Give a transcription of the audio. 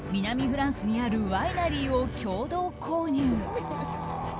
フランスにあるワイナリーを共同購入。